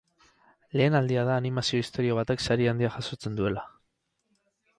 Lehen aldia da animazio-istorio batek sari handia jasotzen duela.